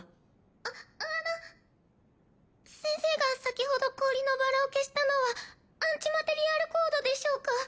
ああの先生が先ほど氷のバラを消したのはアンチマテリアルコードでしょうか？